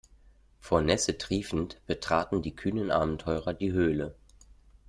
Vor Nässe triefend betraten die kühnen Abenteurer die Höhle.